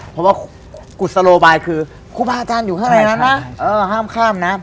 เพราะว่ากุศโลบายคือครูบาอาจารย์อยู่ข้างในนั้นนะเออห้ามข้ามนะ